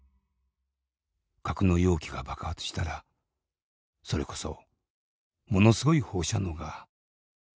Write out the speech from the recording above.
格納容器が爆発したらそれこそものすごい放射能が出ますから」。